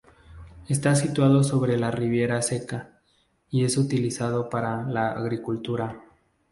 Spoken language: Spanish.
Está situado sobre la Ribeira Seca y es utilizado para la agricultura.